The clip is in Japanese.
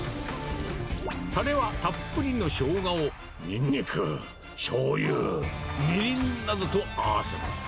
たれはたっぷりのしょうがを、ニンニク、しょうゆ、みりんなどと合わせます。